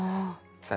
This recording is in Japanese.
さあ